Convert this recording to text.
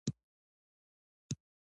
پښتون د پېغور له امله هر کار ته تیار دی.